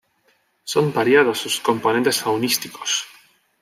Son variados sus componentes faunísticos.